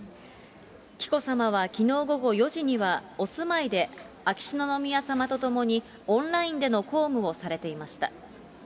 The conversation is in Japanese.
紀子さまはきのう午後４時には、お住まいで秋篠宮さまと共にオンラインでの公務をされていました。